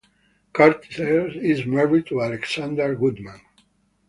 Kartes is married to Alexandra Goodman.